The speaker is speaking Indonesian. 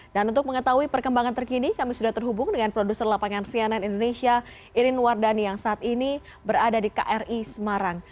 dan untuk mengetahui perkembangan terkini kami sudah terhubung dengan produser lapangan cnn indonesia irin wardani yang saat ini berada di kri semarang